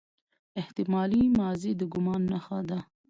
احتمالي ماضي د ګومان نخښه ده.